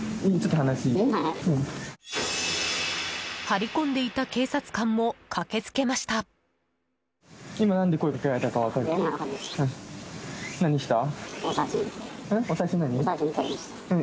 張り込んでいた警察官も駆けつけました。